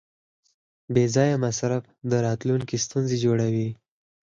بېځایه مصرف د راتلونکي ستونزې جوړوي.